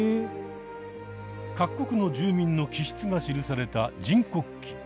各国の住民の気質が記された「人国記」。